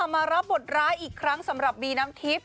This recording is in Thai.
มารับบทร้ายอีกครั้งสำหรับบีน้ำทิพย์